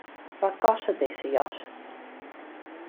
Wat kostet dizze jas?